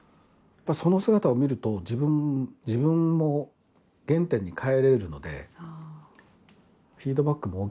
その姿を見ると自分も原点に返れるのでフィードバックも大きいですよ。